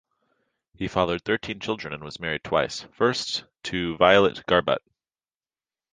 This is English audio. He fathered thirteen children and was married twice, first to Violet Garbutt.